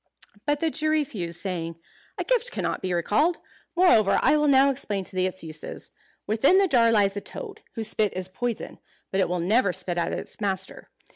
But the Jew refused, saying, "A gift cannot be recalled. Moreover, I will now explain to thee its uses. Within the jar lies a toad, whose spit is poison. But it will never spit at its master.